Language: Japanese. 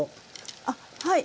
あっはい。